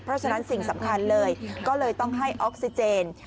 เพราะฉะนั้นสิ่งสำคัญเลยก็เลยต้องให้ออกซิเจน